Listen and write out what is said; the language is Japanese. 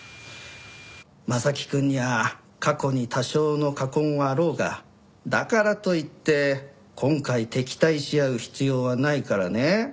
柾くんには過去に多少の禍根はあろうがだからといって今回敵対し合う必要はないからね。